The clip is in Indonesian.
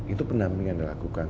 itu pendampingan dilakukan